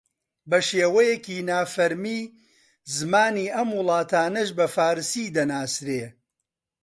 بە شێوەیەکی نافەرمی زمانی ئەم وڵاتانەش بە فارسی دەناسرێ